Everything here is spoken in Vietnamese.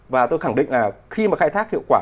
và tôi khẳng định là khi mà khai thác hiệu quả